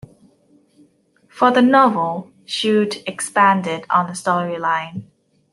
For the novel, Shute expanded on the storyline.